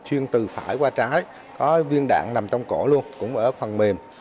chuyên từ phải qua trái có viên đạn nằm trong cổ luôn cũng ở phần mềm